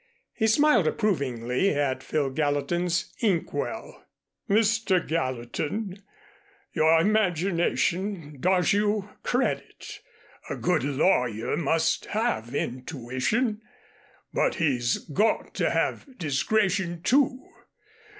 He smiled approvingly at Phil Gallatin's inkwell. "Mr. Gallatin, your imagination does you credit. A good lawyer must have intuition. But he's got to have discretion, too.